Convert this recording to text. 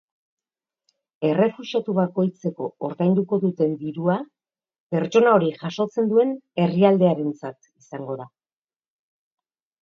Errefuxiatu bakoitzeko ordainduko duten dirua pertsona hori jasotzen duen herrialdearentzat izango da.